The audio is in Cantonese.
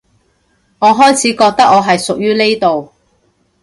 我開始覺得我係屬於呢度